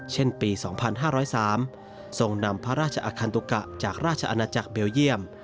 เช่นปี๒๕๐๓ทรงนำพระราชอคันตุกะจากราชอาณาจักรเบลเยี่ยม